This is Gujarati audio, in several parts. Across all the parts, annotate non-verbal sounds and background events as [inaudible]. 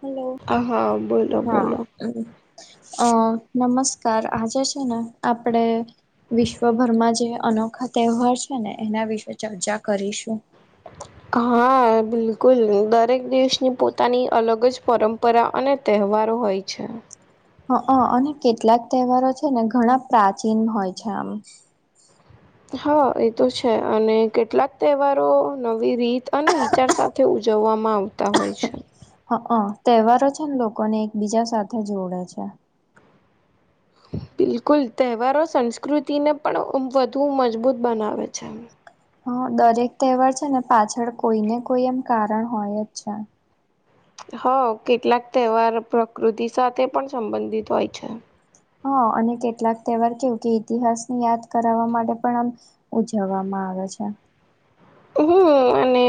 હલો હા બોલો હા. બોલો અ નમસ્કાર આજે છે ને આપડે વિશ્વભરમાં જે અનોખા તહેવાર છે ને એના વિશે ચર્ચા કરીશું. હા બિલકુલ, દરેક દેશની પોતાની અલગ જ પરંપરા અને તહેવા વારો હોય છે. હ હ અને કેટલાક તહેવારો છે ને ઘણા પ્રાચીન હોય છે આમ હ એ તો છે અને કેટલાક તહેવારો નવી રીત અને વિચાર સાથે ઉજ જવામાં આવતા હોય છે. હ અ તહેવારો છે ને લોકોને એકબીજા સાથે જોડે છે. [inaudible] બિલકુલ તહેવારો સંસ્કૃતિને પણ વધુ મજબૂત બનાવે છે. હા દરેક તહેવાર છે ને પાછળ કોઈ ને કોઈ એમ કારણ હોય જ છે. હ કેટલાક તહેવાર પ્રકૃતિ સાથે પણ સંબંધિત હોય છે. હા અને કેટલાક તહેવાર કેવું કે ઈતિહાસની યાદ કરાવવા માટે પણ આમ ઉજવવામાં આવે. આવે છે. હમ અને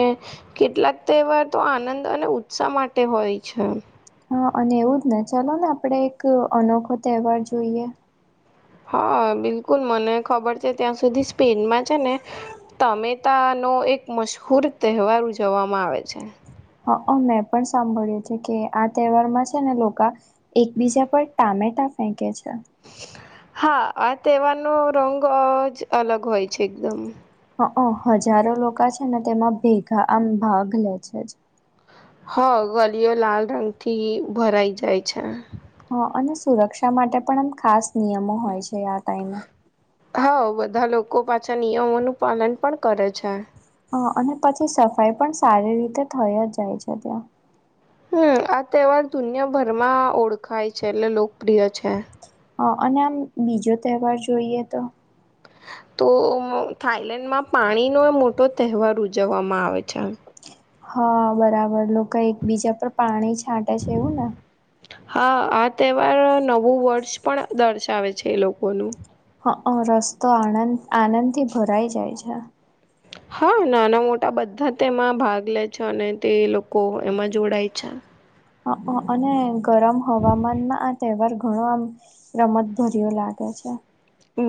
કેટલાક તહેવાર તો આનંદ અને ઉત્સાહ માટે હોય છે. હા અને એવું જ ને ચલો ને આપણેે એક અનોખો તહેવાર જોઈએ. હા બિલકુલ, મને ખબર છે ત્યાં સુધી સ્પેનમાં છે ને તમે તા નો એક મશુર તહેવાર ઉજવવામાં આવે છે. અ મેં પણ સાંભળ્યું છે કે આ તહેવારમાં છે ને લોકા એકબીજા પર ટામેટા ફેકે છે. હા આ તેહેવારનો રંગ જ અલગ હોય છે કે મ અ હ હજારો લોકો છે ને તેમાં ભેગા આમ ભાગ લે છે જ હા ગલીઓ લાલ રંગ થી ભરાઈ જાય છે હા અને સુરક્ષા માટે પણ આમ ખાસ નિયમો હોય છે આ ટાઈમે હા બધા લોકો પાછા નિયમોનું પાલન પણ કરે છે હ અ અને પછી સફાઈ પણ સારી રીતે થઈ જ જાય છે ત્યાં હમ આ તહેવાર દુનિયાભરમાં ઓળખાય છે એટલે લોકપ્રિય છે હા અને આમ બીજો તહેવાર જોઈએ તો તો થાઈલેન્ડ માં પાણીનો મોટો તહેવાર ઉજવવામાં આવે છે હા બરાબર લોકો એકબીજા પર પાણી છાંટે છે એવું ને હા આ તહેવાર નવું વર્ષ પણ દર્શાવે છે એ લોકોનું અ રસ્તો આનંદ આનંદ થી ભરાઈ જાય છે હા નાના મોટા બધા તેમાં ભાગ લે છે અને તે લોકો એમાં જોડાય છે હ અને ગરમ હવામાનમાં આ તહેવાર રમતભર્યો લાગે છે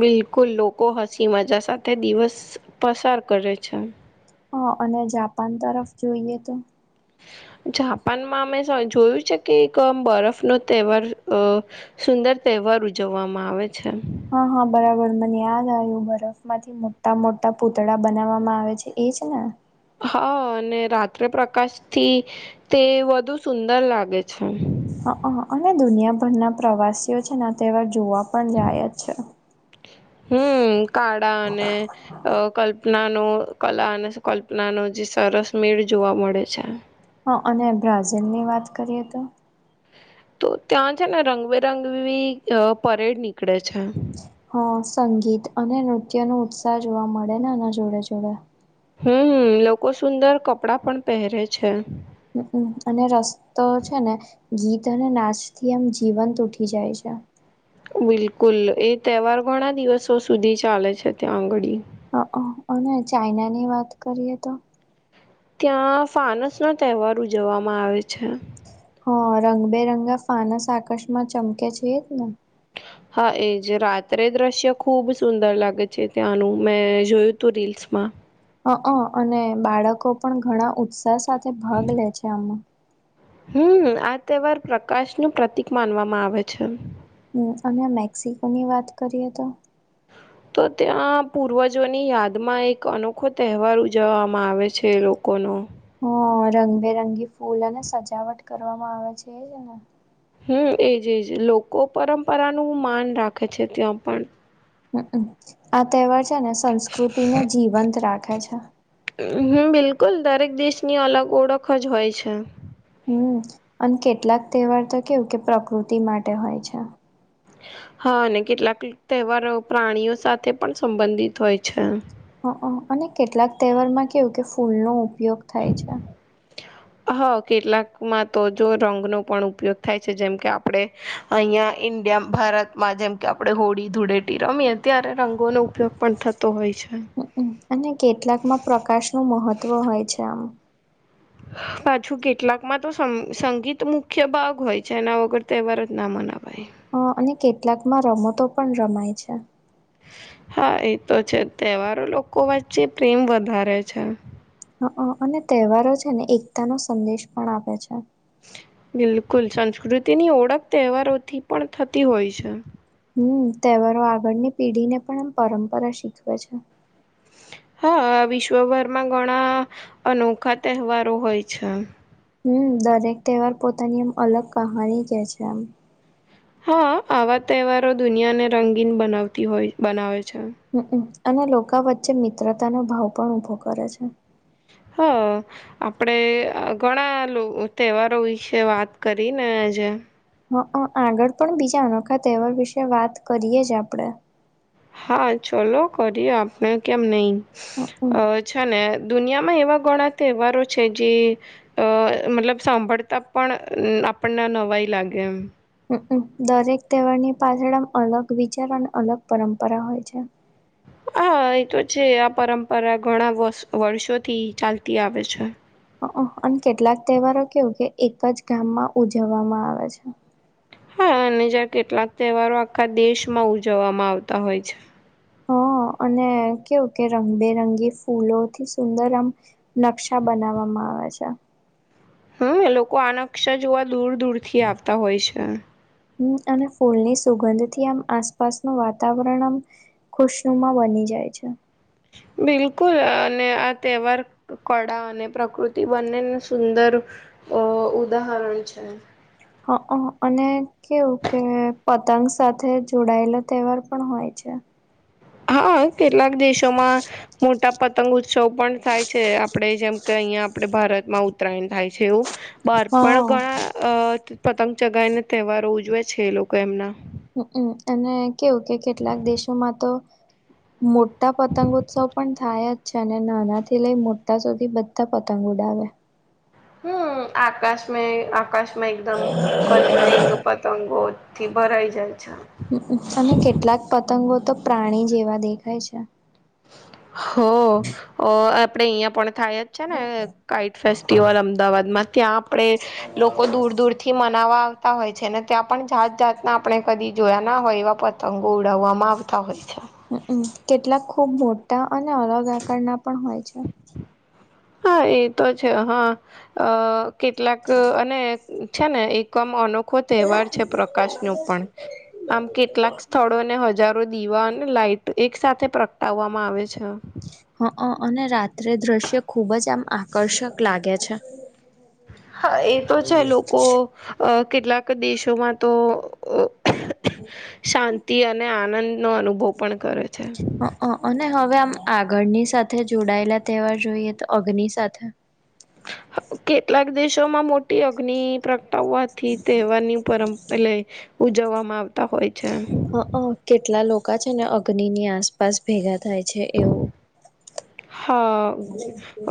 બિલકુલ લોકો હસી મજા સાથે દિવસ પસાર કયો છે હા અને જાપાન તરફ જોઈએ તો જાપાનમાં અમે જોયું છે કે એક બરફ નો તહેવાર સુંદર તહેવાર ઉજવવામાં આવે છે હા હા બરાબર મને યાદ આવ્યું બરફ માંથી મોટા મોટા પૂતળા બનાવવામાં આવે છે છે ને હા અને રાત્રે પ્રકાશ થી તે વધુ સુંદર લાગે છે હ હ અને દુનિયાભરના પ્રવાસીઓ છે તેવા હમ કાળા અને કલ્પના નાનો કલા અને કલ્પનાનો જે સરસ મેળ જોવા મળે છે. હા અને બ્રાઝિલની વાત કરીએ તો... તો ત્યાં છે ને રંગબેરંગી પરેડ નીકળે છે. અચ્છા હા સંગીત અને નૃત્યનો ઉત્સાહ જોવા મળે ને એના જોડે જોડે હમ લોકો સુંદર કપડાં પણ પહેરે છે હમ અને રસ્તો છે ને ગીત અને નાચથી એમ જીવંત ઉઠી જાય છે! [inaudible] બિલકુલ એ તહેવાર ઘણા દિવસો સુધી ચાલે છે ત્યાં આઘડી. અને ચાઈનાની વાત કરીએ તો ત્યાં ફાનસનો તહેવાર ઉજવવામાં આવે છે હા.. રંગબેરંગા ફાનસ આકાશમાં ચમકે છે એજ ને! હા એજ રાત્રે દ્રશ્ય ખુબ સુંદર લાગે છે ત્યાંનુ. મેં જોયું તું રીલ્સમા માં હકન્.. અને બાળકો પણ ઘણા ઉત્સાહ સાથે ભાગ લે છે આમાં હમ આ તહેવાર પ્રકાશનું પ્રતિક માનવામાં આવે છે. હમ અને મેક્સિકોની વાત કરીએ તો તો ત્યાં પૂર્વજોની યાદમાં એક અનોખો તહેવાર ઉજવવામાં આવે છે. એ લોકો્ લોકોનો હ રંગબેરંગી ફૂલ અને સજાવટ કરવામાં આવે છે એજ ને! હમ.. એજ એજ! લોકો પરંપરાનું માન રાખે છે ત્યાં પણ. હમમ.. આ તહેવાર છેને સંસ્કૃતિને જીવંત રાખે છે્ હમ બિલકુલ દરેક દેશની અલગ ઓળખ જ હોય છે. હમ અને કેટલાક તહેવાર તો કેવું કે પ્રકૃતિ માટે હોય છે. હા અને કેટલાક તહેવારો પ્રાણીઓ સાથે પણ સંબંધિત હોય છે. હ અને કેટલાક તહેવારમાં કેવું કે ફૂલનો ઉપયોગ થાય છે. હા કેટલાકમાં તો જો રંગનો પણ ઉપયોગ થાય છે. જેમ કે આપણે અહીંયા ઇન્ડ ભારતમાં જેમ કે આપણે હોળી-ધૂળેટી રમીએ ત્યારે રંગો નો અને કેટલાકમાં પ્રકાશનું મહત્વ હોય છે. આમ પાછું કેટલાકમાં તો સંગીત મુખ્ય ભાગ હોય છે એના વગર તહેવાર જ ના.. મનાવાઈ હ અને કેટલાકમાં રમતો પણ રમાય છે. હા એ તો છે‌. તહેવારો લોકો વચ્ચે પ્રેમ વધારે છે. અ અને તહેવારો છે ને એકતાનો સંદેશ પણ આપે છે. બિલકુલ સંસ્કૃતિની ઓળખ તહેવારોથી પણ થતી હોય છે. હમ તહેવારો આગળની પેઢીને પણ પરંપરા શીખવે છે. હા.. વિશ્વભરમાં ઘણા અનોખા તહેવારો હોય છે. હ દરેક તહેવાર પોતાની એમ અલગ કહાની કહે છે એમ હા આવા તહેવારો દુનિયાને રંગીન બનાવતી હોય બનાવે છે હમમ અને લોકો વચ્ચે મિત્રતાનો ભાવ પણ ઉભો કરે છે. હ આપણે ઘણાં તહેવારો વિશે વાત કરીને જ્યાં હ આગળ પણ બીજા અનોખા તહેવાર વિશે વાત કરીએ જ આપણે હા ચલો.. કરીએ આપણે કેમ નહી? હક છે ને દુનિયા એમાં એવા ઘણા તહેવારો છે જે મતલબ સાંભળતા પણ આપણને નવાઈ લાગે એમ દરેક તહેવારની પાછળમાં અલગ વિચાર અને અલગ પરંપરા હોય છે. હા એ તો છે. આ પરંપરા ઘણા વર્ષોથી ચાલતી આવે છે. અને કેટલાક તહેવારો કેવું કે એક જ ગામમાં ઉજવવામાં આવે છે હા અને જ્યારે કેટલાંક તહેવારો આખા દેશમાં ઉજવવામાં આવતા હોય છે. હા અને કેવું કે રંગબેરંગી ફૂલોથી સુંદર આમ નકશા બનાવવાવામાં હાછા હમ લોકો આ નકશા જોવા દૂર દૂર થી આવતા હોય છે હમ અને ફૂલની સુગંધથી આમ આસપાસ ન વાતાવરણ આમ ખુશુમાં બની જાય છે બિલકુલ અને આ તહેવાર કળા અને પ્રકૃતિ બંનેને સુંદર અ ઉદાહરણ છે હ હ અને કેવું કે પતંગ સાથે જોડાયેલો તહેવાર પણ હોય [unintelligible] હા કેટલાક દેશોમાં મો ટા પતંગ ઉત્સવ પણ થાય છે આપણે જેમ કે અહિયાયા આપડણે ભારતમાં ઉત્તરાયણ થાય છે એવું બાર પણ હા. ઘણા અ પતંગ ચગાઈને તહેવારો ઉજવે છે એ લોકો એમના હમમ અને કેવું કે કેટલાક દેશોમાં તો મોટા પતંગોત્સવ પણ થાય જ છે અને નાના થી લઈ મોટા સુધી બધા પતંગ ઉડાવે હમ આકાશ મે આકાશમાં એકદમ કલ રીંગ પતંગોથી ભરાઈ જાય છે. હુ હુ અને કેટલાક પતંગો તો પ્રાણી જેવા દેખાય છે હ આપણેે અહંયા પણ થાય જ છે ને કાઇટ ફેસ્ટિવલ અમદાવાદમાં ત્યાં આપણે લોકો દૂર દૂર થી મનાવા હોય છે ને ત્યાં પણ જાત જાતના આપણે કદી જોયા ના હોય એવા પતંગો ઉડાવવામાં આવ હમ હમ કેટલાક ખુબ મોટા અને અલગ આકાર ના પણ હોય છે હા એતો છે હા અ કેટલાક અને છે ને એક કમ અનો આખો તહેવાર છે પ્રકાશ ન પણ આમ કેટલાક સ્થળોને હજારો દીવા અને લાઈટ એક સાથે પ્રગટાવવામાં આવે છે હ અને રાત્રે દ્રશ્ય ખુબ જ આમ આકર્ષક લાગે છે હા એ તો છે લોકો કેટલાક દેશોમાં તો શાંતિ અને આનંદ નો અનુભવ પણ કરે છે હ હ અને હવે આમ આગળની સાથે જોડાયેલા તહેવાર જોઈએ તો અગ્નિ સાથે કેટલાક દેશોમાં મોટી અગ્નિ પ્ર વાથી તહેવારની પરંપ લ ઉજવવામાં આવતા હોય છે હ કેટલા લોકો છે ને અગ્નિ ની આસપાસ ભેગા થાય છે એવું હા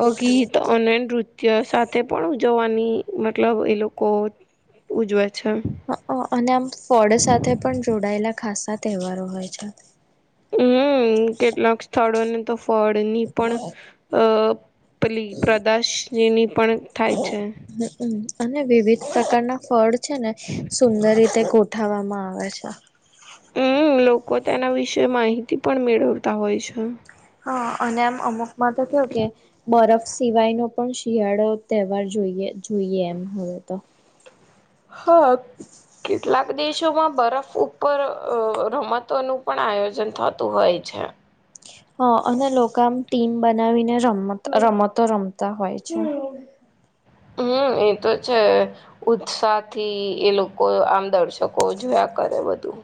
અગી તોનન ર નૃત્ય સાથે પણ ઉજવવાની મતલબ એ લોકો ઉજવે છે અને આમ ફળ સાથે પણ જોડાયેલા ખાસા તહેવારો હોય છે હમ કેટલાક સ્થળોને તો ફળની પણ અ પલી પ્રદશની પણ થાય છે હમમ અને વિવિધ પ્રકારના ફળ છે ને સુંદર રીતે ગોઠવામાં આવે છે થી પણ મેળવતા હોય છે હા અને આમ અમુકમાં તો કેવ કે બરફ સિવાય ન પણ શિયાળો તહેવાર જો જોઈએ જોઈએ એમ હવે તો હ કેટલાક ક દેશોમાં બરફ ઉપર રમતોનુંું પણ આયોજન થતું હોય છે હ અને લોકો આમ ટીમ બનાવીને રમ રમતો રમતા હોય છે હમ એ તો છે ઉત્સાહ થી એ લોકો આમ દર્શકો જોયા કરે થ વધધ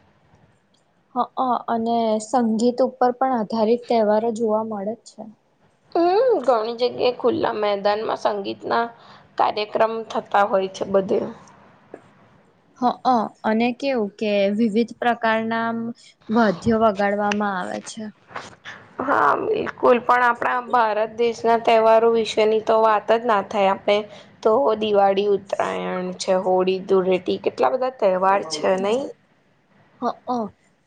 હક્ન્ અને સંગીત ઉપર પણ આધારિત તહેવારો જોવા મળે જ છે. હમ [inaudible] ઘણી જગ્યાએ ખુલ્લા મેદાનમાં સંગીતના કાર્યક્રમ થતા હોય છે બધે હક અને કેવું કે વિવિધ પ્રકારના વાદ્યો વગાડવામાં આવે છે. હા બિલકુલ પણ આપણા ભારત દેશના તહેવારો વિશે તેની તો વાત જ ના થાય! તો દિવાળી, ઉતરાયણ છે હોળી, ધૂળેટી કેટ્ એટલા બધા તહેવાર છે નહીં! હક્ન્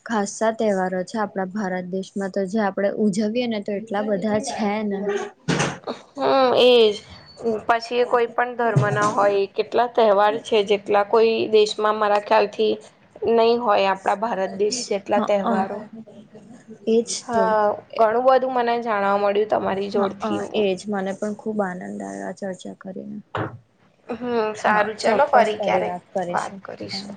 ખાસ્સા તહેવારો છે આપણા ભારત દેશમાં તો. જે આપણે ઉજવીએને તો એટલા બધા છે ને! [unintelligible] હમ એજ પછી એ કોઈ પણ ધર્મના હોય. કેટલા તહેવાર છે? જેટલા કોઈ દેશ માં મારા ખ્યાલથી નહીં હોય આપણા ભારત દેશ હ જેટલા તહેવારો એજ તો હા ઘણું બધું મને જાણવા મળ્યું તમારી હ જોડેથી હું એજ મને પણ ખુબ આનંદ આવ્યો આ ચર્ચા કરીને હમ હા સારું ચલો ચોક્કસ ફરી ક્યારેક વાત કરીશું. હા કરીશું